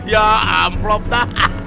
ya amprop dah